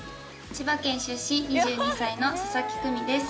千葉県出身２２歳の佐々木久美です